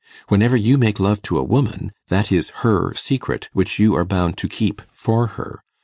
Whenever you make love to a woman that is her secret, which you are bound to keep for her.